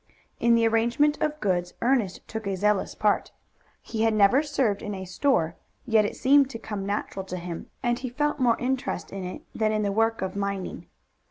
In the arrangement of goods Ernest took a zealous part. He had never served in a store, yet it seemed to come natural to him, and he felt more interest in it than in the work of mining.